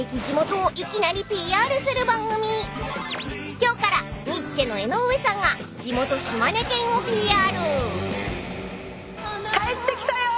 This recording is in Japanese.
［今日からニッチェの江上さんが地元島根県をＰＲ］